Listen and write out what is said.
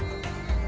nah ini sudah hilang